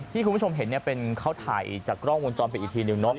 ที่คุณผู้ชมเห็นเป็นเขาถ่ายจากกล้องวงจรไปอีกทีนึง